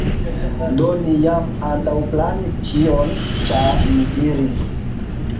Do ni jam antaŭplanis ĉion, ĉar ni diris